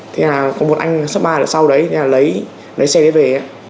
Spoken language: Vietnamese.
thế là có một anh spa sau đấy lấy xe đấy về